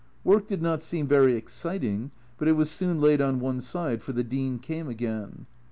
Work did not seem very exciting, but it was soon laid on one side, for the Dean came again.